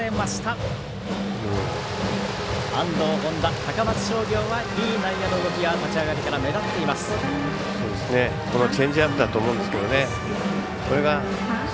高松商業はいい内野の動きが立ち上がりから目立っています。